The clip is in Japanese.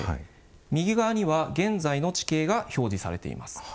右側には現在の地形が表示されています。